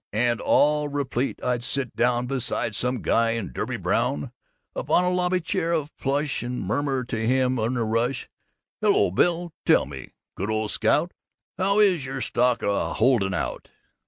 And all replete I'd sit me down beside some guy in derby brown upon a lobby chair of plush, and murmur to him in a rush, "Hello, Bill, tell me, good old scout, how is your stock a holdin' out?"